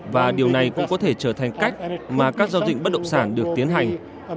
và điều này cũng có thể trở thành cách mà các giao dịch bất động sản được tiến hành